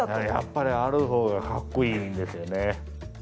やっぱりある方がかっこいいんですよね。